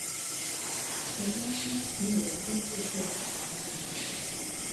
沒關係你有人工智慧